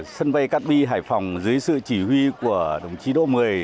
sân bay canby hải phòng dưới sự chỉ huy của đồng chí đỗ mười